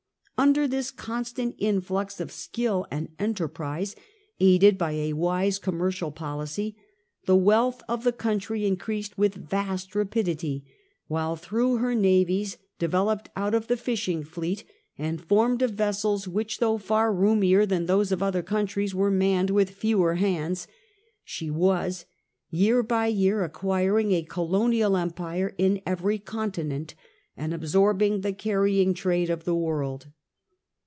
Under this constant influx of skill and enterprise, aided by a wise commercial policy, the wealth of the country increased with vast rapidity, while through her navies, developed out of the fishing fleet, and formed of vessels which, though far roomier than those of other countries, were manned with fewer hands, she was year by year acquiring a colonial empire in every continent, and absorbing the carrying trade of the world.